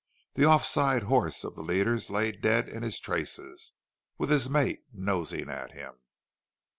The off side horse of the leaders lay dead in his traces, with his mate nosing at him.